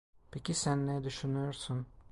Peki sen ne düşünüyorsun?